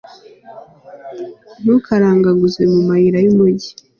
ntukarangaguzwe mu mayira y'umugi